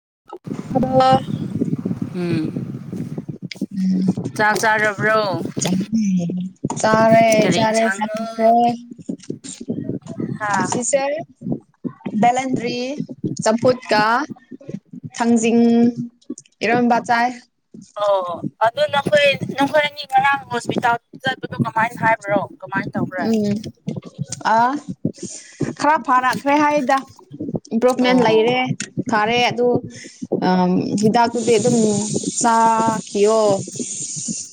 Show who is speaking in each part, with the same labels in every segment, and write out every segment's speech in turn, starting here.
Speaker 1: ꯑ [unintelligible]
Speaker 2: ꯎꯝ ꯆꯥꯛ ꯆꯥꯔꯕ꯭ꯔꯣ
Speaker 1: ꯆꯔꯦ
Speaker 2: ꯀꯔꯤ
Speaker 1: ꯆꯔꯦ
Speaker 2: ꯏꯟꯁꯥꯡꯅꯣ
Speaker 1: ꯆꯪꯈ꯭ꯔꯦ
Speaker 2: [inaudible] ꯍꯥ
Speaker 1: ꯁꯤ ꯁꯔ ꯕꯂꯟꯗ꯭ꯔꯤ ꯆꯝꯄꯨꯠꯀꯥ ꯊꯥꯡꯖꯤꯡ ꯏꯔꯣꯝꯕ ꯆꯥꯥꯏ
Speaker 2: ꯑꯣ ꯑꯗꯨ ꯅꯈꯣꯏ ꯅꯈꯣꯏ ꯑꯅꯤ ꯉꯔꯥꯡ ꯍꯣꯁꯄꯤꯇꯥꯜ ꯆꯠꯄꯗꯣ ꯀꯃꯥꯏꯅ ꯍꯥꯏꯕ꯭ꯔꯣ ꯀꯃꯥꯏꯅ ꯇꯧꯕ꯭ꯔꯥ
Speaker 1: ꯎꯝ ꯑ ꯈꯔ ꯐꯔꯛꯈ꯭ꯔꯦ ꯍꯥꯏꯗ ꯏꯝꯄ꯭ꯔꯨꯚꯃꯦꯟ
Speaker 2: ꯑꯣ
Speaker 1: ꯂꯩꯔꯦ ꯐꯔꯦ ꯑꯗꯨ ꯑ ꯍꯤꯗꯥꯛꯇꯨꯗꯤ ꯑꯗꯨꯝ ꯆꯥꯈꯤꯌꯣ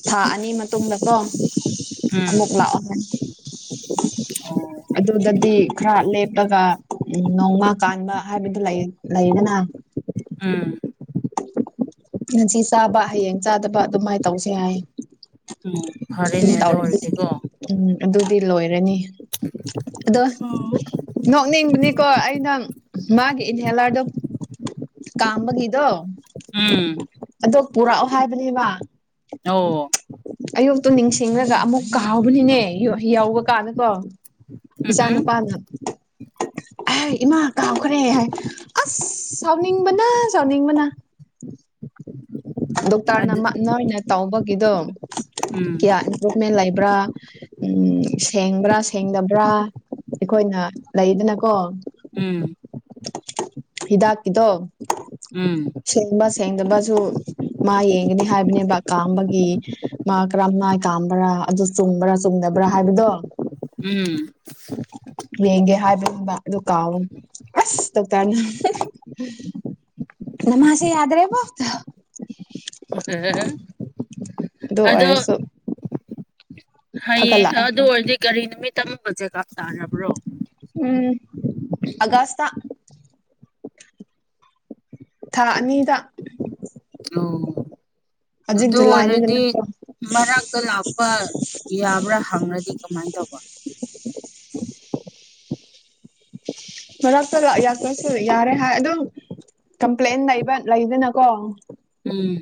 Speaker 1: ꯊꯥ ꯑꯅꯤ ꯃꯇꯨꯡꯗꯀꯣ
Speaker 2: ꯎꯝ
Speaker 1: ꯑꯃꯛ ꯂꯛꯑꯝꯒꯅꯤ
Speaker 2: ꯑꯣ
Speaker 1: ꯈꯔ ꯂꯦꯞꯄꯒ ꯎ ꯅꯣꯡꯃ ꯀꯥꯟꯕ ꯍꯥꯏꯕꯗꯨ ꯂꯩ ꯂꯩꯗꯅ
Speaker 2: ꯑꯝ
Speaker 1: ꯉꯁꯤ ꯆꯥꯕ ꯍꯌꯦꯡ ꯆꯥꯗꯕ ꯑꯗꯨꯃꯥꯏꯅ ꯇꯧꯁꯦ ꯍꯥꯏ
Speaker 2: ꯎꯝ ꯐꯔꯦꯅꯦ ꯑꯗꯨ ꯑꯣꯏꯔꯗꯤꯀꯣ
Speaker 1: ꯎꯝ ꯑꯗꯨ ꯗꯤ ꯂꯣꯏꯔꯅꯤ ꯑꯗꯣ ꯅꯣꯛꯅꯤꯡꯕꯅꯤꯀꯣ ꯑꯩꯅꯪ ꯃꯥꯒꯤ ꯏꯟꯍꯦꯂꯥꯔꯗꯣ ꯀꯥꯝꯕꯒꯤꯗꯣ
Speaker 2: ꯎꯝ
Speaker 1: ꯑꯗꯣ ꯄꯨꯔꯛꯑꯣ ꯍꯥꯏꯕꯅꯦꯕ
Speaker 2: ꯑꯣ
Speaker 1: ꯑꯌꯨꯛꯇꯨ ꯅꯤꯡꯁꯤꯡꯂꯒ ꯑꯃꯨꯛ ꯀꯥꯍꯕꯅꯤꯅꯦ ꯌꯥꯎꯕ ꯀꯥꯟꯗꯀꯣ ꯏꯆꯥ
Speaker 2: ꯎꯝꯍꯝ
Speaker 1: ꯅꯨꯨꯄꯥꯅ ꯑꯩ ꯏꯃꯥ ꯀꯥꯎꯈ꯭ꯔꯦ ꯍꯥꯏ ꯑꯁ ꯁꯥꯎꯅꯤꯡꯕꯅꯥ ꯁꯥꯎꯅꯤꯡꯕꯅ ꯗꯣꯛꯇꯔꯅ
Speaker 2: ꯑꯗꯨ
Speaker 1: ꯅꯣꯏꯅ ꯇꯧꯕꯒꯤꯗꯣ
Speaker 2: ꯎꯝ
Speaker 1: ꯀꯌꯥ ꯏꯟ ꯃꯦꯟ ꯂꯩꯕ꯭ꯔꯥ ꯎꯝ ꯁꯦꯡꯕ꯭ꯔꯥ ꯁꯦꯡꯗꯕ꯭ꯔꯥ ꯑꯩꯈꯣꯏꯅ ꯂꯩꯗꯅꯀꯣ
Speaker 2: ꯎꯝ
Speaker 1: ꯍꯤꯗꯥꯛꯀꯤꯗꯣ
Speaker 2: ꯎꯝ
Speaker 1: ꯁꯦꯡꯕ ꯁꯦꯡꯗꯕꯁꯨ ꯃꯥ ꯌꯦꯡꯒꯅꯤ ꯍꯥꯏꯕꯅꯦꯕ ꯀꯥꯡꯥꯝꯕꯒꯤ ꯃꯥ ꯀꯔꯝꯃꯥꯏꯟ ꯀꯥꯝꯕ꯭ꯔꯥ ꯑꯗꯨ ꯆꯨꯝꯕ꯭ꯔꯥ ꯆꯨꯝꯗꯕ꯭ꯔꯥ ꯍꯥꯏꯕꯗꯣ
Speaker 2: ꯎꯝ
Speaker 1: ꯌꯦꯡꯒꯦ ꯍꯥꯏꯕꯅ‌ꯦꯕ ꯑꯗꯨ ꯀꯥꯥꯎ ꯑꯁ ꯇꯧ ꯇꯅ ꯅꯃꯁꯤꯦ ꯌꯥꯗ꯭ꯔꯦ ꯐꯥꯎꯠꯇ
Speaker 2: [unintelligible]
Speaker 1: ꯑꯗꯨ
Speaker 2: ꯑꯗꯣ
Speaker 1: ꯑꯣꯏꯔꯁꯨ
Speaker 2: ꯍꯌꯦꯡ
Speaker 1: ꯐꯒꯠꯂꯛꯑꯦ
Speaker 2: ꯑꯗꯨ ꯑꯣꯏꯔꯗꯤ ꯀꯒꯥꯔꯤ ꯅꯨꯃꯤꯠ ꯇꯝꯕ ꯆꯦꯛꯑꯞ ꯇꯥꯔꯕ꯭ꯔꯣ
Speaker 1: ꯎꯝ ꯑꯒꯥꯁ ꯊꯥ ꯑꯅꯤꯗ
Speaker 2: [inaudible]
Speaker 1: ꯍꯧꯖꯤꯛ
Speaker 2: ꯑꯗꯨ ꯑꯣꯏꯔꯗꯤ
Speaker 1: ꯖꯨꯂꯥꯏꯅꯤꯗꯅꯀꯣ
Speaker 2: ꯃꯔꯀ ꯂꯥꯛꯄ ꯌꯥꯕ꯭ꯔꯥ ꯈꯪꯅꯗꯤ ꯀꯃꯥꯏꯅ ꯇꯧꯕ
Speaker 1: ꯃꯔꯛꯇ ꯂ ꯆꯁꯨ ꯌꯥꯔꯦ ꯍꯥꯏ ꯑꯗꯨꯝ ꯀꯝꯄ꯭ꯂꯦꯟ ꯂꯩꯕ ꯂꯩꯗꯅꯀꯣ
Speaker 2: ꯎꯝ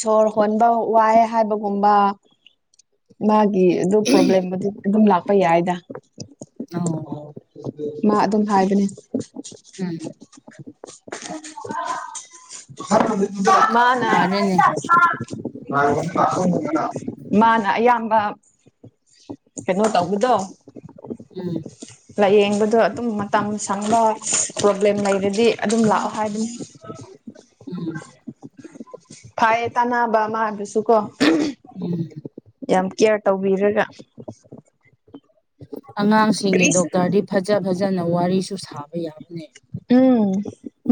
Speaker 1: ꯁꯣꯔ ꯍꯣꯟꯕ ꯋꯥꯏ ꯍꯥꯏꯕꯒꯨꯝꯕ ꯃꯥꯒꯤ ꯑꯗꯨ ꯄ꯭ꯔꯣꯕ꯭ꯂꯦꯝ ꯑꯗꯨꯝ ꯂꯥꯛꯄ ꯌꯥꯏꯗ
Speaker 2: ꯑꯣ
Speaker 1: ꯃꯥ ꯑꯗꯨꯝ ꯍꯥꯏꯕꯅꯦ
Speaker 2: ꯎꯝ
Speaker 1: ꯃꯥꯅꯥ
Speaker 2: ꯐꯔꯦꯅꯦ
Speaker 1: ꯃꯥꯅꯥ ꯑꯌꯥꯝꯕꯥ ꯀꯩꯅꯣ ꯇꯧꯕꯗꯣ
Speaker 2: ꯑꯝ
Speaker 1: ꯂꯩꯌꯦꯡꯕꯗꯨ ꯑꯗꯨꯝ ꯃꯇꯝ ꯁꯪꯕ ꯄ꯭ꯔꯣꯕꯂꯦꯝ ꯂꯩꯔꯗꯤ ꯑꯗꯨꯝ ꯂꯥꯛꯑꯣ ꯍꯥꯏꯕꯅꯤ
Speaker 2: ꯑꯝ
Speaker 1: ꯐꯩꯌꯦ ꯇꯥꯟꯅꯕ ꯃꯥꯒꯤꯁꯨ ꯀꯣ
Speaker 2: ꯎꯝ
Speaker 1: ꯌꯥꯝ ꯀꯤꯌ꯭ꯔ ꯇꯧꯕꯤꯔꯒ
Speaker 2: ꯑꯉꯥꯡꯁꯤꯡꯒꯤ
Speaker 1: ꯀꯔꯤꯁꯨ
Speaker 2: ꯗꯣꯛꯇ꯭ꯔꯗꯤ ꯐꯖꯥ ꯐꯖꯥꯅ ꯋꯥꯔꯤꯁꯨ ꯁꯥꯕ ꯌꯥꯏ
Speaker 1: ꯑꯝ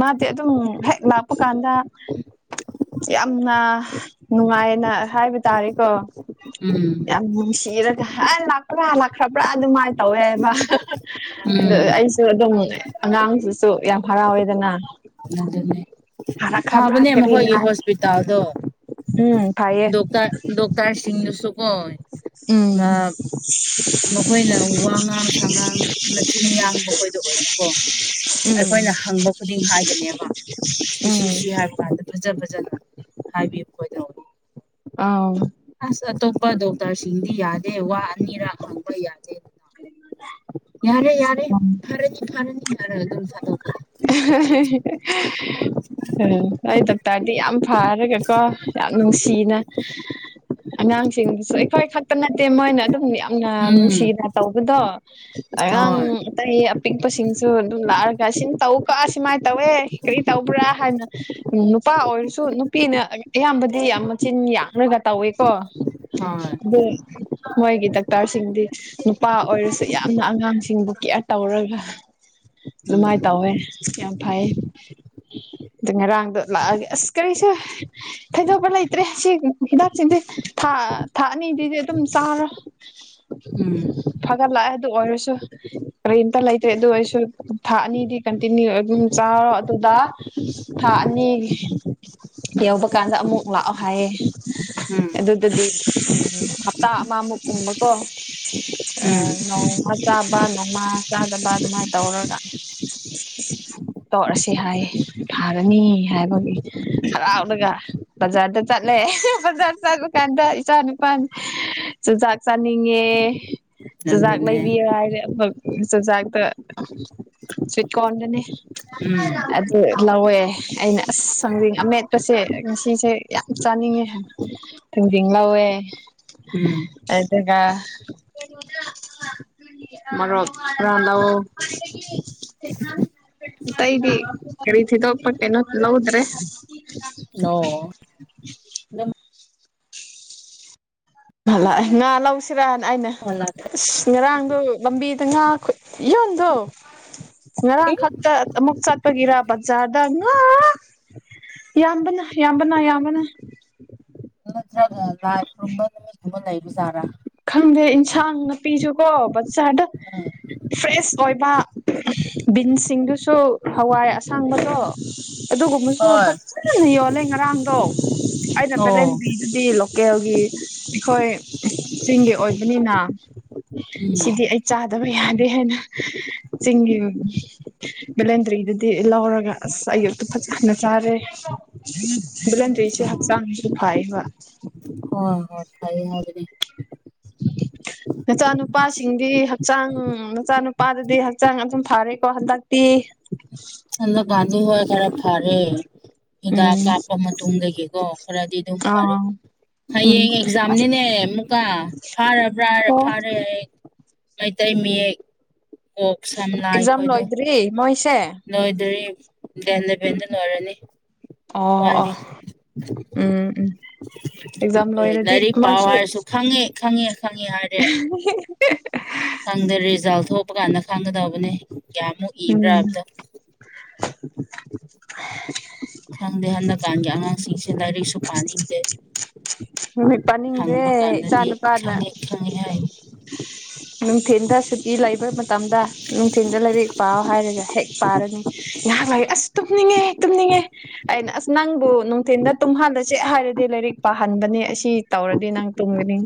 Speaker 1: ꯃꯥꯗꯤ ꯑꯗꯨꯝ ꯍꯦꯛ ꯂꯥꯛꯄ ꯀꯥꯟꯗ ꯌꯥꯝꯅ ꯅꯨꯡꯉꯥꯏꯅ ꯍꯥꯏꯕ ꯇꯥꯔꯦꯀꯣ
Speaker 2: ꯎꯝ
Speaker 1: ꯌꯥꯝ ꯅꯨꯡꯁꯤ ꯁꯤꯔꯒ ꯍꯥꯏ ꯂꯥꯛꯄ꯭ꯔꯥ ꯂꯥꯛꯈ꯭ꯔꯕ ꯑꯗꯨꯝꯃꯥꯏꯅ ꯇꯧꯌꯦꯕ
Speaker 2: ꯎꯝ
Speaker 1: ꯑꯩꯁꯨ ꯑꯗꯨꯝ ꯑꯉꯥꯡꯗꯨꯁꯨ ꯌꯥꯝ ꯍꯥꯔꯥꯎꯌꯦꯗꯥꯅ
Speaker 2: ꯐꯥꯕꯅꯦ ꯃꯈꯣꯏꯒꯤ ꯍꯣꯏꯁꯄꯤꯇꯥꯜꯗꯣ
Speaker 1: ꯎꯝ ꯐꯩꯌꯦ
Speaker 2: ꯗꯣꯛꯇ꯭ꯔ ꯗꯣꯛꯇ꯭ꯔꯁꯤꯡꯅꯁꯨ ꯀꯣ
Speaker 1: ꯑꯝ
Speaker 2: ꯃꯈꯣꯏꯅ ꯋꯥꯉꯥꯡ ꯁꯥꯉꯥꯡ ꯃꯆꯤꯟ ꯌꯥꯡꯕ ꯈꯣꯏꯗꯨ ꯑꯣꯏꯕꯀꯣ
Speaker 1: ꯎꯝ
Speaker 2: ꯑꯩꯈꯣꯏꯅ ꯍꯪꯕ ꯈꯨꯗꯤꯡ ꯍꯥꯏꯒꯅꯦꯕ ꯁꯤ ꯁꯤ
Speaker 1: ꯎꯝ
Speaker 2: ꯁꯤ ꯍꯥꯏꯕ ꯀꯥꯟꯗ ꯐꯖꯥ ꯐꯖꯥꯅ ꯍꯥꯏꯕꯤ ꯃꯈꯣꯏꯗꯣ
Speaker 1: ꯑꯪ
Speaker 2: ꯑꯥꯁ ꯑꯇꯣꯞꯄ ꯗꯣꯛꯇ꯭ꯔꯁꯤꯡꯗꯤ ꯌꯥꯗꯦ ꯋꯥ ꯑꯅꯤꯔꯛ ꯍꯪꯕ ꯌꯥꯗꯦ
Speaker 1: ꯄꯥ
Speaker 2: ꯌꯥꯔꯦ ꯌꯥꯔꯦ ꯐꯔꯥꯅꯤ ꯐꯔꯥꯅꯤ ꯍꯥꯏꯔꯒ ꯑꯗꯨꯝ ꯁꯥꯗꯣꯛꯄꯅꯤ ꯍꯧꯖꯤꯛ
Speaker 1: ꯍꯦ ꯍꯦ ꯑꯝ ꯅꯣꯏ ꯗꯣꯛꯇ꯭ꯔꯗꯤ ꯌꯥꯝ ꯐꯔꯥꯒ ꯀꯣ ꯌꯥꯝ ꯅꯨꯡꯁꯤꯅ ꯑꯉꯥꯡꯁꯤꯡꯁꯨ ꯑꯩꯈꯣꯏ ꯈꯛꯇꯥ ꯅꯠꯇꯦ ꯃꯣꯏꯅ ꯑꯗꯨꯝ ꯌꯥꯝ ꯅꯣꯏꯅ
Speaker 2: ꯎꯝ
Speaker 1: ꯅꯨꯡꯁꯤꯅꯥ ꯇꯧꯕꯗꯣ ꯑꯉꯥꯡ
Speaker 2: ꯍꯣꯏ
Speaker 1: ꯑꯇꯩ ꯑꯥꯄꯤꯛꯄꯁꯤꯡꯁꯨ ꯑꯗꯨꯝ ꯂꯥꯛ ꯁꯤꯟ ꯇꯧꯀꯣ ꯁꯨꯃꯥꯏꯅ ꯇꯧꯋꯦ ꯀꯔꯤ ꯇꯧꯕ꯭ꯔꯥ ꯍꯥꯏꯅ ꯅꯨꯄꯥ ꯑꯣꯏꯔꯁꯨ ꯅꯨꯄꯤꯅ ꯑꯌꯥꯝꯕꯗꯤ ꯌꯥꯝ ꯃꯆꯤꯟ ꯌꯥꯝꯃꯒ ꯇꯧꯋꯦꯀꯣ
Speaker 2: ꯍꯣꯏ
Speaker 1: ꯑꯗꯨ ꯃꯣꯏꯒꯤ ꯗꯣꯛꯇ꯭ꯔ ꯅ꯭ꯔꯁꯁꯤꯡꯗꯤ ꯅꯨꯄꯥ ꯑꯣꯏꯔꯁꯨ ꯌꯥꯝꯅ ꯑꯉꯥꯡꯁꯤꯡꯕꯨ ꯀꯦꯌ꯭ꯔ ꯇꯧꯔꯒ
Speaker 2: ꯘꯝ
Speaker 1: ꯑꯗꯨꯝꯃꯥꯏ ꯇꯧꯋꯦ ꯌꯥꯝ ꯐꯩ ꯑꯥꯗꯨ ꯉꯔꯥꯡꯗꯣ ꯂꯥꯛꯑꯒꯦ ꯑꯥꯁ ꯀꯔꯤꯁꯨ ꯊꯥꯖꯕ ꯂꯩꯇ꯭ꯔꯦ ꯁꯤ ꯍꯤꯗꯥꯛꯁꯤꯗꯤ ꯊꯥ ꯊꯥ ꯑꯅꯤꯗꯤ ꯑꯗꯨꯝ ꯆꯥꯔꯣ
Speaker 2: ꯎꯝ
Speaker 1: ꯐꯥꯒꯠꯂꯛꯑꯦ ꯑꯗꯨ ꯑꯣꯏꯔꯥꯁꯨ ꯀꯔꯤꯝꯇꯥ ꯂꯩꯇ꯭ꯔꯦ ꯑꯗꯨ ꯑꯣꯏꯔꯥꯁꯨ ꯊꯥ ꯑꯅꯤꯗꯤ ꯀꯟꯇꯤꯅ꯭ꯌꯨ ꯑꯗꯨꯝ ꯆꯥꯔꯣ ꯑꯗꯨꯗꯥ ꯊꯥ ꯑꯅꯤ ꯌꯧꯕꯥ ꯀꯥꯟꯗ ꯑꯃꯨꯛ ꯂꯥꯛꯑꯣ ꯍꯥꯏꯌꯦ
Speaker 2: ꯎꯝ
Speaker 1: ꯑꯗꯨꯗꯥꯗꯤ ꯑꯝ ꯍꯥꯞꯇꯥ ꯑꯃꯃꯨꯛ ꯒꯨꯝꯕꯥꯀꯣ
Speaker 2: ꯎꯝ
Speaker 1: ꯅꯣꯡꯃꯥ ꯆꯥꯕ ꯅꯣꯡꯃꯥ ꯆꯥꯗꯕ ꯑꯗꯨꯃꯥꯏꯟ ꯇꯧꯔꯒ ꯒꯤꯡ
Speaker 2: ꯘ
Speaker 1: ꯇꯧꯔꯁꯤ ꯍꯥꯏꯌꯦ ꯐꯥꯔꯅꯤ ꯍꯥꯏꯕꯒꯤ ꯍꯔꯥꯎꯔꯒ ꯕꯖꯥ꯭ꯔꯗ ꯆꯠꯂꯦ ꯕꯖꯥ꯭ꯔ ꯆꯠꯄꯥ ꯀꯥꯟꯗ ꯏꯆꯥ ꯅꯨꯄꯥꯥ ꯆꯨꯖꯥꯛ ꯆꯥꯅꯤꯡꯉꯦ ꯆꯨꯖꯥꯛ
Speaker 2: ꯑꯗꯨꯅꯦ
Speaker 1: ꯂꯩꯕꯤꯑꯣ ꯍꯥꯏꯔꯦ ꯑꯃꯨꯛ ꯆꯨꯖꯥꯛꯇꯣ ꯆꯦꯛꯀꯣꯟꯗꯅꯦ
Speaker 2: ꯑꯝ
Speaker 1: ꯂꯧꯋꯦ ꯑꯩꯅ ꯑꯥꯁ ꯊꯥꯡꯖꯤꯡ ꯑꯥꯃꯦꯠꯄꯁꯦ ꯉꯥꯁꯤꯁꯦ ꯌꯥꯝ ꯆꯥꯅꯤꯡꯉꯦ ꯍꯥꯏ ꯈꯥꯖꯤꯡ ꯉꯧꯋꯦ
Speaker 2: ꯎꯝ
Speaker 1: ꯑꯗꯨꯒ ꯃꯣꯔꯣꯛ ꯈ꯭ꯔꯥ ꯂꯧ ꯇꯏꯗꯤ ꯀꯔꯤꯁꯤꯗꯣꯄꯇꯦꯅ ꯂꯧꯗ꯭ꯔꯦ
Speaker 2: ꯑꯣ ꯑꯗꯨꯝ
Speaker 1: ꯉꯥ ꯂꯥꯛꯑꯦ ꯉꯥ ꯂꯧꯁꯤꯔꯅ ꯑꯩꯅ
Speaker 2: ꯍꯜꯂꯛꯈ꯭ꯔꯦ
Speaker 1: ꯉꯔꯥꯡꯗꯣ ꯂꯝꯕꯤꯗ ꯉꯥ ꯌꯣꯟꯗꯣ ꯉꯔꯥꯡ ꯈꯛꯇ ꯑꯃꯨꯛ ꯆ ꯄꯒꯤꯔꯕꯖꯥꯔꯗ ꯉꯥ ꯌꯥꯝꯕꯅ ꯌꯥꯝꯕꯅ ꯌꯥꯝꯌꯥꯝꯕꯅ
Speaker 2: ꯅꯠꯇ꯭ꯔꯒ ꯂꯥꯏ ꯈꯨꯔꯨꯝꯕ ꯅꯨꯃꯤꯠꯀꯨꯝꯕ ꯂꯩꯕꯖꯥꯠꯔꯥ
Speaker 1: ꯈꯪꯗꯦ ꯏꯟꯁꯥꯡ ꯅꯥꯄꯤꯁꯨ ꯀꯣ ꯕꯠꯆꯥꯥꯗ
Speaker 2: ꯎꯝ
Speaker 1: ꯐ꯭ꯔꯦꯁ ꯑꯣꯏꯕ ꯕꯤꯟꯁꯤꯡꯗꯨꯁꯨ ꯍꯋꯥꯏ ꯑꯁꯥꯡꯕꯗꯣ ꯑꯗꯨꯒꯨꯝꯕꯁꯨ
Speaker 2: ꯍꯣꯏ
Speaker 1: ꯐꯖꯅ ꯌꯣꯜꯂꯦ ꯉꯔꯥꯡꯗꯣ ꯑꯩꯅ
Speaker 2: ꯑꯣ
Speaker 1: ꯕꯦꯂꯦꯟꯕꯤꯗꯨꯗꯤ ꯂ ꯀꯦꯜꯒꯤ ꯑꯩꯈꯣꯏ ꯆꯤꯡꯒꯤ ꯑꯣꯏꯕꯅꯤꯅ
Speaker 2: ꯎꯝ
Speaker 1: ꯁꯤꯗꯤ ꯑꯩ ꯆꯥꯗꯕ ꯌꯥꯗꯦ ꯍꯥꯏꯅ ꯆꯤꯡꯒꯤ ꯕꯦꯂꯦꯟꯗ꯭ꯔꯤꯗꯗꯤ ꯂꯧꯔꯒ ꯑꯁ ꯑꯌꯨꯛꯇ ꯐꯖꯅ ꯆꯥꯔꯦ ꯚꯦꯂꯟꯔꯤꯁꯦ ꯍꯛꯆꯥꯡꯁꯨ ꯐꯥꯏ ꯋꯥ
Speaker 2: ꯍꯣꯢ ꯍꯣꯢ ꯐꯩ ꯍꯥꯏꯕꯅꯤ
Speaker 1: [inaudible] ꯃꯆꯥꯅꯨꯄꯥꯁꯤꯡꯗꯤ ꯍꯛꯆꯥꯡ ꯃꯆꯥꯅꯨꯄꯥꯗꯨꯗꯤ ꯍꯛꯆꯥꯡ ꯑꯗꯨꯝ ꯐꯔꯦꯀꯣ ꯍꯟꯗꯛꯇꯤ
Speaker 2: ꯍꯟꯗꯛꯀꯥꯟꯗꯤ ꯍꯣꯏ ꯈꯔ ꯐꯔꯦ ꯍꯤꯗꯥꯛ
Speaker 1: ꯎꯝ
Speaker 2: ꯀꯥꯞꯄ ꯃꯇꯨꯡꯗꯒꯤꯀꯣ ꯈꯔꯗꯤ ꯑꯗꯨꯝ ꯐꯔꯦ
Speaker 1: ꯑꯥ ꯎꯝ
Speaker 2: ꯌꯦꯡ ꯑꯦꯛꯖꯥꯝꯅꯤꯅꯦ ꯀ ꯐꯥꯔꯕ꯭ꯔꯥꯔ
Speaker 1: ꯑꯣ
Speaker 2: ꯐꯥꯔꯦ ꯍ ꯃꯩꯇꯩ ꯃꯌꯦꯛ ꯀꯣꯛ ꯁꯝ ꯂꯥꯢ
Speaker 1: ꯑꯦꯛꯖꯥꯝ
Speaker 2: ꯈꯣꯏꯗꯣ
Speaker 1: ꯂꯣꯏꯗ꯭ꯔꯤ ꯃꯣꯏꯁꯦ
Speaker 2: ꯂꯣꯏꯗꯔꯤ ꯗꯦꯟ ꯂꯦꯚꯦꯟꯗ ꯂꯣꯏꯔꯅꯤ
Speaker 1: ꯑꯣ ꯑꯣ
Speaker 2: ꯋꯥꯠꯂꯤ
Speaker 1: ꯎꯝ ꯎꯝ ꯑꯦꯛꯖꯥꯝ
Speaker 2: ꯈꯪꯗꯦ
Speaker 1: ꯂꯣꯏꯔꯗꯤ
Speaker 2: ꯂꯥꯏꯔꯤꯛ ꯄꯥꯎ
Speaker 1: ꯃꯥꯁꯨ
Speaker 2: ꯍꯥꯏꯔꯁꯨ ꯈꯪꯉꯦ ꯈꯪꯉꯦ ꯈꯪꯉꯦ ꯍꯥꯏꯔꯦ
Speaker 1: ꯑꯍꯦꯍꯦꯍꯦ
Speaker 2: ꯈꯪꯗꯦ ꯔꯤꯖꯥꯜ ꯊꯣꯛꯄ ꯀꯥꯟꯗ ꯈꯪꯒꯗꯕꯅꯦ ꯀꯌꯥꯃꯨꯛ
Speaker 1: ꯎꯝ
Speaker 2: ꯏꯕ꯭ꯔꯥꯕꯗ ꯈꯪꯗꯦ ꯍꯟꯗꯛ ꯍꯧꯖꯤꯀꯥꯟꯒꯤ ꯑꯉꯥꯡꯁꯤꯡꯁꯦ ꯂꯥꯏꯔꯤꯛꯁꯨ ꯄꯥꯅꯤꯡꯗꯦ
Speaker 1: ꯅꯨꯃꯤꯠ ꯄꯥꯅꯤꯡꯗ꯭ꯔꯦ
Speaker 2: ꯍꯪꯕ
Speaker 1: ꯏꯆꯥ
Speaker 2: ꯀꯥꯟꯗꯗꯤ
Speaker 1: ꯅꯨꯨꯄꯥꯅ
Speaker 2: ꯈꯪꯉꯦ ꯈꯪꯉꯦ ꯍꯥꯏꯅꯤ
Speaker 1: ꯅꯨꯡꯊꯤꯟꯗ ꯁꯨꯇꯤ ꯂꯩꯕ ꯃꯇꯝꯗ ꯅꯨꯡꯊꯤꯟꯜꯗ ꯂꯥꯏꯔꯤꯛ ꯄꯥ ꯍꯥꯏꯔꯒ ꯍꯦꯛ ꯄꯥꯔꯅꯤ ꯉꯍꯥꯛ ꯑꯁ ꯇꯨꯝꯅꯤꯡꯉꯦ ꯇꯨꯝꯅꯤꯡꯉꯦ ꯑꯩꯅ ꯑꯁ ꯅꯪꯕꯨ ꯅꯨꯡꯊꯤꯟꯗ ꯇꯨꯝꯍꯜꯂꯁꯦ ꯍꯥꯏꯔꯗꯤ ꯂꯥꯏꯔꯤꯛ ꯄꯥꯍꯟꯕꯗ ꯑꯁꯤ ꯇꯧꯔꯗꯤ ꯅꯪ ꯇꯨꯝꯒꯅꯤ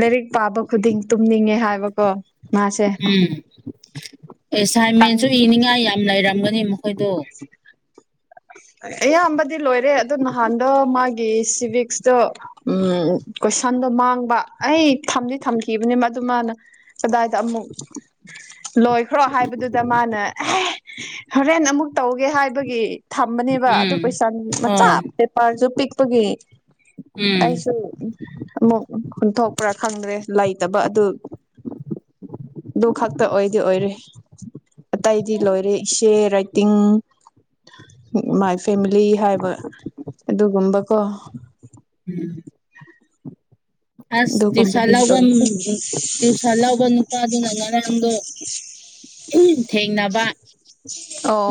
Speaker 1: ꯂꯥꯏꯔꯤꯛ ꯄꯥꯕ ꯈꯨꯗꯤꯡ ꯇꯨꯝꯅꯤꯡꯉꯦ ꯍꯥꯏꯕꯀꯣ ꯃꯥꯁꯦ
Speaker 2: ꯎꯝ ꯑꯦꯁꯥꯏꯟꯃꯦꯟꯁꯨ ꯏꯅꯤꯡꯉꯥꯏ ꯌꯥꯝ ꯂꯩꯔꯝꯒꯅꯤ ꯑꯣꯏꯗꯣ
Speaker 1: ꯑꯌꯥꯝꯕꯗꯤ ꯂꯣꯏꯔꯦ ꯑꯗꯣ ꯅꯍꯥꯟꯗ ꯃꯥꯒꯤ ꯁꯤꯚꯛꯁꯇꯣ ꯎ ꯀꯣꯏꯁꯟꯗꯣ ꯃꯥꯡꯕ ꯑꯩ ꯊꯝꯗꯤ ꯊꯝꯈꯤꯕꯅꯤ ꯑꯗꯨꯃꯅ ꯀꯗꯥꯏꯗ ꯑꯃꯨꯛ
Speaker 2: [inaudible]
Speaker 1: ꯂꯣꯏꯈ꯭ꯔꯣ ꯍꯥꯏꯕꯗꯨꯗ ꯃꯥꯅ ꯍꯣꯔꯦꯟ ꯑꯃꯨꯛ ꯇꯧꯒꯦ ꯍꯥꯏꯕꯒꯤ ꯊꯝꯕꯅꯦꯕ ꯑꯗꯨ
Speaker 2: ꯎꯝ
Speaker 1: ꯄꯩꯁꯥ ꯃꯆꯥ
Speaker 2: ꯑꯣ
Speaker 1: ꯄꯦꯄꯥꯔꯁꯨ ꯄꯤꯛꯄꯒꯤ
Speaker 2: ꯎꯝ
Speaker 1: ꯑꯩꯁꯨ ꯑꯃꯨꯛ ꯍꯨꯟꯊꯣꯛꯄ꯭ꯔꯥ ꯈꯪꯗ꯭ꯔꯦ ꯂꯩꯇꯕ ꯑꯗꯨ ꯑꯗꯨ ꯈꯛꯇ ꯑꯣꯏꯗꯤ ꯑꯣꯏꯔꯦ ꯑꯇꯩꯗꯤ ꯂꯣꯏꯔꯦ ꯏꯁꯦ ꯇꯤꯡ ꯃꯥꯏ ꯐꯦꯃꯤꯂꯤ ꯍꯥꯏꯕ ꯑꯗꯨꯒꯨꯝꯕꯀꯣ
Speaker 2: ꯎꯝ ꯑꯁ ꯇ꯭ꯌꯨꯁꯜ
Speaker 1: ꯑꯗꯨꯒꯨꯝꯕꯗꯤ
Speaker 2: ꯂꯧꯕ
Speaker 1: ꯂꯣꯏ
Speaker 2: ꯇ꯭ꯌꯨꯁꯜ ꯂꯧꯕ ꯅꯨꯄꯥꯗꯨꯅ ꯉꯔꯥꯡꯗꯣ ꯊꯦꯡꯅꯕ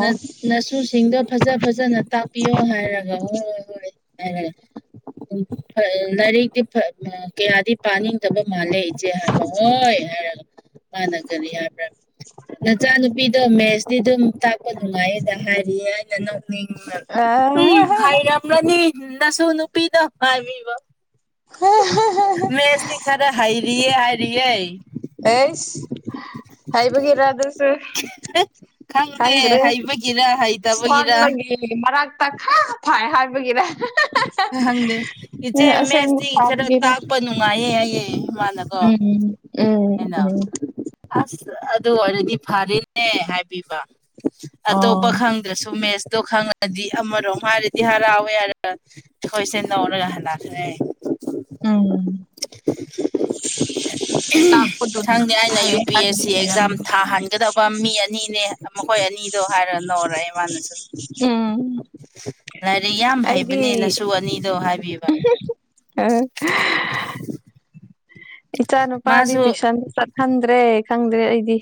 Speaker 2: ꯅ ꯅꯁꯨꯁ ꯁꯤꯡꯗꯣ ꯐꯖ ꯐꯖꯅ ꯇꯥꯛꯄꯤꯌꯣ ꯍꯥꯏꯔꯒ ꯍꯣꯏ ꯍꯣꯏ ꯍꯥꯏꯈꯔꯦ ꯐ ꯂꯥꯢꯔꯤꯛꯇꯤ ꯐ ꯎ ꯀꯌꯥꯗꯤ ꯄꯥꯅꯤꯡꯗꯕ ꯃꯥꯜꯂꯦ ꯏꯆꯦ ꯍꯥꯏꯕ ꯍꯣꯏ ꯍꯥꯏꯔꯒ ꯃꯥꯅꯒꯅꯤ ꯍꯥꯏꯕ꯭ꯔ ꯅꯆꯥꯅꯨꯄꯤꯗꯣ ꯃꯦꯁꯇꯤ ꯑꯗꯨꯝ ꯇꯥꯛꯄ ꯅꯨꯡꯉꯥꯏꯌꯦꯗ ꯍꯥꯏꯔꯤꯑꯌꯦ ꯑꯩꯅ ꯅ
Speaker 1: ꯑ
Speaker 2: ꯎꯝ ꯍꯥꯏꯔ ꯑꯃꯗꯤ ꯅꯁꯨ ꯅꯨꯄꯤꯗꯣ ꯍꯥꯏꯃꯤꯕ ꯃꯦꯁꯇꯤ ꯈꯔ ꯍꯩꯔꯤꯌꯦ ꯍꯥꯏꯔꯤꯌꯦ
Speaker 1: ꯑꯦꯁ ꯍꯩꯕꯒꯤꯔꯥ ꯑꯗꯨꯁꯨ
Speaker 2: ꯈꯪꯗꯦ
Speaker 1: ꯈꯪꯗ꯭ꯔꯦ
Speaker 2: ꯍꯩꯕꯒꯤꯔ ꯍꯩꯇꯕꯒꯤꯔ
Speaker 1: [unintelligible] ꯃꯔꯒ ꯇ ꯀ ꯐ ꯍꯥꯏ ꯒꯔ
Speaker 2: ꯈꯪꯗꯦ
Speaker 1: ꯎ
Speaker 2: ꯏꯆꯦ ꯃꯦꯠꯁꯇꯤ ꯈꯔ
Speaker 1: ꯁꯥꯒꯦꯔ
Speaker 2: ꯇꯥꯛꯄ ꯅꯨꯡꯉꯥꯏꯌꯦ ꯍꯥꯏꯌꯦ ꯃꯥꯅꯀꯣ
Speaker 1: ꯎꯝ
Speaker 2: ꯑꯩꯅ
Speaker 1: ꯎꯝ
Speaker 2: ꯑꯁ ꯑꯗꯨ ꯑꯣꯏꯔꯗꯤ ꯐꯔꯤꯅꯦ ꯍꯥꯏꯕꯤꯕ ꯑꯇꯣꯞꯄ
Speaker 1: ꯑꯣ
Speaker 2: ꯈꯪꯗ꯭ꯔꯁꯨ ꯃꯦꯁ ꯗꯣ ꯈꯪꯉꯗꯤ ꯑꯃꯔꯣꯝ ꯍꯥꯏꯔꯗꯤ ꯍꯔꯥꯎ ꯑꯩꯈꯣꯏꯔ ꯑꯩꯈꯣꯏꯁꯦ ꯅꯧꯔꯒ ꯍꯟ ꯂꯈ꯭ꯔꯦ
Speaker 1: ꯎꯝ
Speaker 2: ꯎ
Speaker 1: ꯇꯥꯛꯄꯗꯨꯅ
Speaker 2: ꯁꯪꯗꯦ ꯑꯩꯅ ꯌꯨ
Speaker 1: ꯐꯩꯌꯦ
Speaker 2: ꯄꯤ ꯑꯦꯁ
Speaker 1: ꯍꯥꯏꯕꯒꯤ
Speaker 2: ꯁꯤ ꯑꯦꯛꯖꯥꯝ
Speaker 1: ꯑꯣꯏꯔꯝꯅꯤ
Speaker 2: ꯊꯥꯍꯟꯒꯗꯕ ꯃꯤ ꯑꯅꯤꯅꯦ ꯃꯈꯣꯏ ꯑꯅꯤꯗꯣ ꯍꯥꯏꯔꯅꯣ ꯑꯣꯏꯔ ꯏꯃꯥꯟꯅꯁꯨ
Speaker 1: ꯎꯝ
Speaker 2: ꯂꯥꯏꯔꯤꯛ ꯌꯥꯝ
Speaker 1: ꯑꯩꯗꯤ
Speaker 2: ꯍꯩꯕꯅꯦꯅꯁꯨ ꯑꯅꯤꯗꯣ ꯍꯥꯏꯕꯤꯕ
Speaker 1: ꯎꯝ
Speaker 2: [inaudible]
Speaker 1: ꯏꯆꯥ ꯅꯨꯄꯥꯗꯤ
Speaker 2: ꯃꯥꯁꯨ
Speaker 1: ꯇ꯭ꯌꯨꯁꯟ ꯆꯠꯍꯟꯗ꯭ꯔꯦ ꯈꯪꯗ꯭ꯔꯦ ꯑꯩꯗꯤ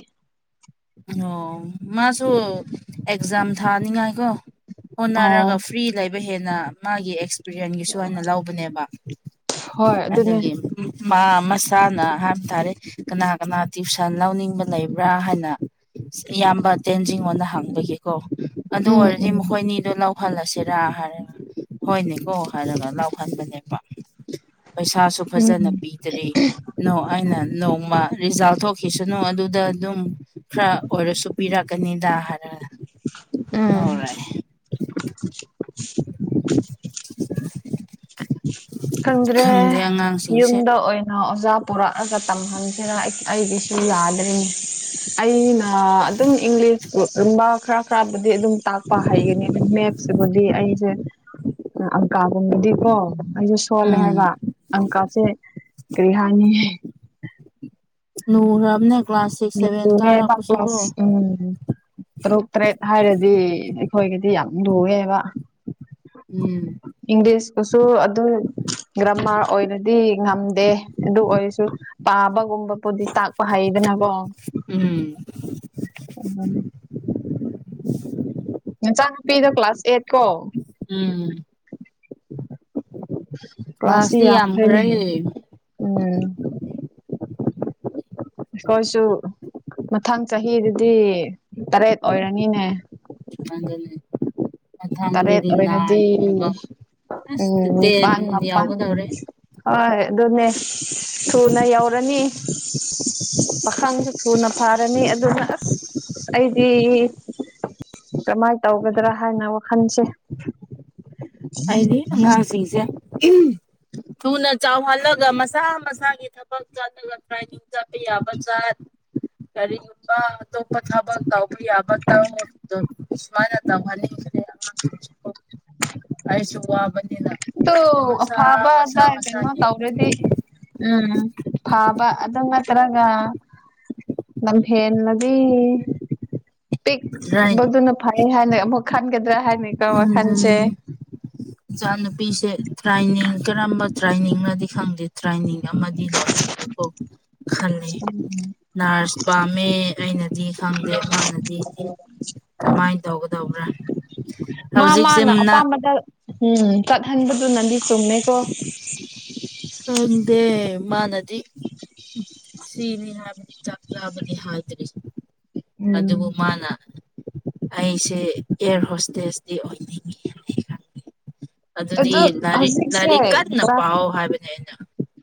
Speaker 2: ꯑꯣ ꯃꯥꯁꯨ ꯑꯦꯛꯖꯥꯝ ꯊꯥꯅꯤꯡꯉꯥꯏꯀꯣ
Speaker 1: ꯑꯣ
Speaker 2: ꯍꯣꯠꯅꯔꯒ ꯐ꯭ꯔꯤ ꯂꯩꯕ ꯍꯦꯟꯅ ꯃꯥꯒꯤ ꯑꯦꯛꯁ ꯕꯤꯔꯌꯥꯟꯒꯤꯁꯨ ꯍꯅ ꯂꯧꯕꯅꯦꯕ
Speaker 1: ꯍꯣꯏ ꯑꯗꯨꯅꯦ
Speaker 2: ꯑꯗꯒꯤ ꯃꯥ ꯃꯁꯥꯅ ꯍꯥꯏꯕ ꯇꯥꯔꯦ ꯀꯅꯥ ꯀꯅꯥ ꯇ꯭ꯋꯨꯁꯟ ꯂꯧꯅꯤꯡꯕ ꯂꯩꯕ꯭ꯔꯥ ꯍꯥꯏꯅ ꯏꯌꯥꯝꯕ ꯇꯦꯟꯖꯤꯡꯅ ꯍꯪꯕꯒꯤꯀꯣ ꯑꯗꯨ
Speaker 1: ꯎꯝ
Speaker 2: ꯑꯣꯏꯔꯗꯤ
Speaker 1: ꯎꯝ
Speaker 2: ꯃꯈꯣꯏꯅꯤꯗꯨ ꯂ ꯂꯥꯎꯍꯜꯂꯁꯤꯔꯥ ꯍꯥꯏꯔꯒ ꯍꯣꯏꯅꯦꯀꯣ ꯍꯥꯏꯔꯒ ꯂꯥꯎꯍꯟꯕꯅꯦꯕ ꯄꯩꯁꯥꯁꯨ
Speaker 1: ꯎꯝ
Speaker 2: ꯐꯖꯅ ꯄꯤꯗ꯭ꯔꯔꯤ ꯅ ꯑꯩꯅ ꯅꯣꯡꯃ ꯔꯤꯖꯥꯜ ꯊꯣꯛꯈꯤꯁꯅꯨ ꯑꯗꯨꯗ ꯑꯗꯨꯝ ꯈꯔ ꯑꯣꯏꯔꯁꯨ ꯄꯤꯔꯛꯀꯅꯤꯗ ꯍꯥꯏꯔ
Speaker 1: ꯎꯝ
Speaker 2: [unintelligible]
Speaker 1: [inaudible]
Speaker 2: [inaudible]
Speaker 1: ꯈꯪꯗ꯭ꯔꯦ
Speaker 2: ꯈꯪꯗꯦ ꯑꯉꯥꯡꯁꯤꯡꯁꯦ
Speaker 1: ꯌꯨꯝꯗ ꯑꯣꯏꯅ ꯑꯣꯖꯥ ꯄꯨꯔꯛꯑꯒ ꯇꯝꯍꯟꯁꯤꯔ ꯑꯩꯒꯤꯁꯨ ꯌꯥꯗ꯭ꯔꯤꯅꯤ ꯑꯩꯅ ꯑꯗꯨꯝ ꯏꯪꯂꯤꯁꯕ ꯈꯔ ꯈꯔ ꯑꯗꯨꯝ ꯇꯥꯛꯄ ꯍꯩꯌ꯭ꯥꯑꯥ ꯑ ꯃꯦꯞꯁꯤꯕꯨꯗꯤ ꯑꯩꯁꯦ ꯑꯪꯀꯥꯒꯨꯝꯕꯗꯤꯀꯣ ꯁꯣꯜꯂꯦ
Speaker 2: ꯎꯝ
Speaker 1: ꯍꯥꯏꯕ ꯑꯪꯀꯁꯦ ꯀꯔꯤ ꯍꯥꯏꯅꯤ
Speaker 2: ꯅꯨꯕꯅꯦ
Speaker 1: [unintelligible] ꯎꯝ [unintelligible] ꯇꯔꯨꯛ ꯇꯔꯦꯠ ꯍꯥꯏꯔꯗꯤ ꯑꯩꯈꯣꯏꯒꯗꯤ ꯌꯥꯝ ꯂꯨꯉꯦꯕ
Speaker 2: ꯎꯝ
Speaker 1: ꯁꯣ ꯑꯗꯨ ꯒ꯭ꯔꯃꯥꯔ ꯑꯣꯏꯅꯔꯗꯤ ꯉꯝꯗꯦ ꯑꯗꯨ ꯑꯣꯏꯔꯁꯨ ꯄꯥꯕꯒꯨꯝꯕ ꯄꯣꯗꯤ ꯇꯥꯛꯄ ꯍꯩꯗꯅꯀꯣ
Speaker 2: ꯎꯝ
Speaker 1: ꯎꯝ
Speaker 2: [inaudible] [inaudible]
Speaker 1: ꯐꯤꯔꯗ ꯀ꯭ꯂꯥꯁ ꯑꯩꯠ ꯀꯣ
Speaker 2: ꯎꯝ
Speaker 1: ꯀ꯭ꯂꯥꯁꯇ
Speaker 2: ꯀ꯭ꯂꯥꯁꯇꯤ
Speaker 1: ꯌꯥꯝ ꯐꯩꯅꯦ
Speaker 2: ꯌꯥꯝꯈ꯭ꯔꯦ
Speaker 1: ꯎꯝ ꯑꯩꯈꯣꯏꯁꯨ ꯃꯊꯪ ꯆꯍꯤꯗꯨꯗꯤ ꯇꯔꯦꯠ ꯑꯣꯏꯔꯅꯤꯅꯦ
Speaker 2: ꯊꯥꯡꯒꯅꯤ
Speaker 1: ꯇꯔꯦꯠ ꯑꯣꯏꯔꯗꯤ
Speaker 2: ꯑꯁ
Speaker 1: ꯎꯝ
Speaker 2: ꯇꯦꯟ
Speaker 1: ꯄꯥꯟ ꯃꯥꯄꯥꯟ
Speaker 2: ꯌꯥꯎꯒꯗꯧꯔꯦ
Speaker 1: ꯍꯣꯏ ꯑꯗꯨꯅꯦ ꯊꯨꯅ ꯌꯧꯔꯅꯤ ꯄꯥꯈꯪꯗꯨ ꯊꯨꯅ ꯐꯥꯔꯅꯤ ꯑꯗꯨꯅ ꯑꯁ ꯑꯩꯗꯤ ꯀꯃꯥꯏꯅ ꯇꯧꯒꯗ꯭ꯔꯥ ꯍꯥꯏꯅ ꯋꯥꯈꯜꯁꯦ
Speaker 2: ꯑꯩꯗꯤ ꯑꯉꯥꯡꯁꯤꯡꯁꯦ ꯎꯝ ꯊꯨꯅ ꯆꯥꯎꯍꯜꯂꯒ ꯃꯁꯥ ꯃꯁꯥꯒꯤ ꯊꯕꯛ ꯆꯠꯂꯒ ꯇ꯭ꯔꯥꯏꯅꯤꯡ ꯆꯠꯄ ꯌꯥꯕ ꯆꯠ ꯀꯔꯤꯒꯨꯝꯕ ꯑꯇꯣꯞꯄ ꯊꯕꯛ ꯇꯧ ꯌꯥꯕ ꯇꯧ ꯈꯨꯁꯃꯜ ꯇꯧꯍꯅꯤꯡꯗꯦ [unintelligible] ꯑꯩꯁꯨ ꯋꯥꯕꯅꯤꯅ
Speaker 1: ꯑꯗꯨ
Speaker 2: ꯃꯁꯥ ꯃꯁꯥ
Speaker 1: ꯑꯐꯕꯗ ꯀꯩꯅꯣ
Speaker 2: ꯃꯁꯥꯒꯤ
Speaker 1: ꯇꯧꯔꯗꯤ ꯎꯝ ꯐꯥꯕ ꯑꯗꯨ ꯇ꯭ꯔꯒ ꯅꯝꯍꯦꯂꯗꯤ
Speaker 2: ꯗ꯭ꯔꯥꯏ
Speaker 1: ꯄꯤꯛꯄꯗꯨꯅ ꯐꯩ ꯍꯥꯏꯅ ꯑꯃꯨꯛ ꯈꯟꯒꯗ꯭ꯔꯥ ꯍꯥꯏꯅꯤ
Speaker 2: ꯎꯝ ꯏꯆꯥ ꯅꯨꯨꯄꯤꯁꯦ ꯇ꯭ꯔꯥꯏꯅꯤꯡ ꯀꯔꯝꯕ ꯇ꯭ꯔꯥꯏꯅꯤꯡꯅꯗꯤ ꯈꯪꯗꯦ ꯇ꯭ꯔꯦꯟꯅꯤꯡ ꯑꯃꯗꯤ ꯂꯣꯏꯍꯟꯕꯕꯨ ꯈꯜꯂꯤ ꯅꯔꯁ ꯄꯥꯝꯃꯦ ꯑꯩꯅ ꯑꯩꯅꯗꯤ ꯈꯪꯗꯦ ꯃꯥꯅꯗꯤ ꯀꯃꯥꯏꯅ ꯇꯧꯒꯗꯧꯕ꯭ꯔꯥ
Speaker 1: ꯃꯥ ꯃꯥꯅ
Speaker 2: ꯍꯧꯖꯤꯛꯁꯦꯅ
Speaker 1: ꯑꯄꯥꯝꯕꯗ ꯎꯝ ꯀꯠꯍꯟꯕꯗꯨ ꯅꯗꯤ ꯁꯨꯃꯦꯀꯣ
Speaker 2: ꯈꯨꯝꯗꯦ ꯃꯥꯅꯗꯤ ꯁꯤꯅꯤ ꯍꯥꯏꯕꯗꯤ ꯆꯞ ꯆꯥꯕꯗꯤ ꯍꯥꯏꯗ꯭ꯔꯤ
Speaker 1: ꯎꯝ
Speaker 2: ꯑꯗꯨꯕꯨ ꯃꯥꯅ ꯑꯩꯁꯦ ꯏꯌꯔ ꯍꯣꯁꯇꯦꯖꯇꯤ ꯑꯣꯏꯅꯤꯡꯉꯤ ꯍꯥꯏꯅ ꯈꯪꯖꯩ ꯑꯗꯨꯗꯤ
Speaker 1: ꯑꯗꯨ
Speaker 2: ꯂꯥꯏꯔꯤꯛ
Speaker 1: ꯍꯧꯖꯤꯛꯁꯦ
Speaker 2: ꯂꯥꯏꯔꯤꯛ ꯀꯟꯅ
Speaker 1: ꯀ꯭ꯂꯥꯁ
Speaker 2: ꯄꯥꯎ ꯍꯥꯏꯕꯅꯦ ꯑꯩꯅ